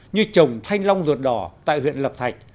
như trồng thanh long ruột đỏ tại huyện lập thạch